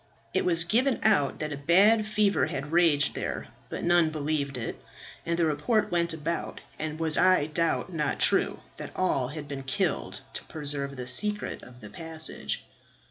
It was given out that a bad fever had raged there, but none believed it; and the report went about, and was I doubt not true, that all had been killed, to preserve the secret of the passage."